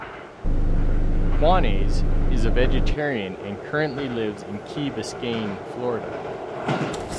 Juanes is a vegetarian and currently lives in Key Biscayne, Florida.